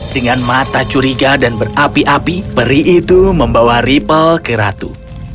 dengan mata curiga dan berapi api peri itu membawa ripple ke ratu